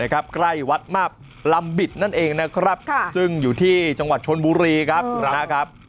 ใกล้วัดมาบลำบิดนั่นเองนะครับซึ่งอยู่ที่จังหวัดชนบุรีครับนะครับ